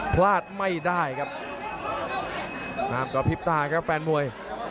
พลาดไม่ได้ครับห้ามกระพริบตาครับแฟนมวย